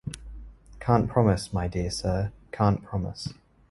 Can’t promise, my dear Sir, can’t promise.